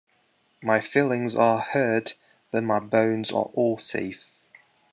My feelings are hurt, but my bones are all safe.